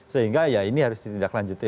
sehingga ya ini harus ditindaklanjuti